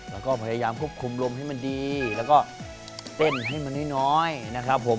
แล้วก็พยายามควบคุมลมให้มันดีแล้วก็เต้นให้มันน้อยนะครับผม